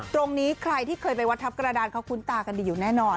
ตรงนี้ใครที่เคยไปวัดทัพกระดานเขาคุ้นตากันดีอยู่แน่นอน